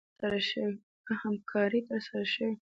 په همکارۍ ترسره شوې